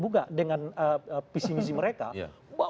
bukan dengan visi visi mereka